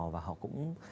và họ cũng